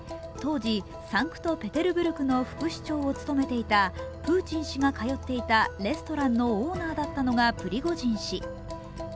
当時、サンクトペテルブルクの副市長を務めていたプーチン氏が通っていたレストランのオーナーだったのがプリゴジン氏。